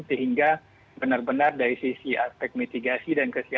sehingga benar benar dari sisi aspek mitigasi